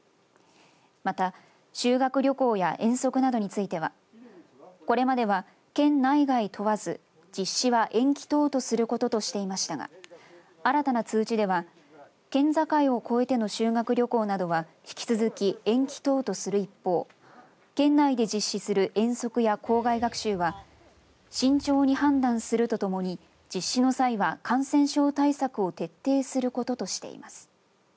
また、修学旅行や遠足などについてはこれまでは県内外問わず実施は延期等とすることとしていましたが新たな通知では県境を越えての修学旅行などは引き続き、延期等とする一方県内で実施する遠足や校外学習は慎重に判断するとともに実施の際は、感染症対策を徹底することとしています。